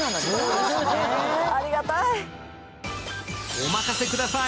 おまかせください。